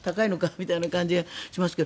みたいな感じはしますが。